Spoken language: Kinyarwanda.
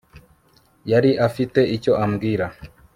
yari afite icyo ambwira